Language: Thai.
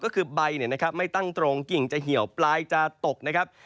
ก็คือใบไม่ตั้งตรงกิ่งจะเหี่ยวปลายจะตกนะครับ